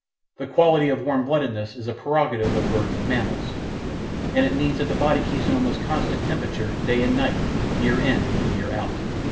The quality of warm bloodedness is a prerogative of birds and mammals, and it means that the body keeps an almost constant temperature, day and night, year in and year out.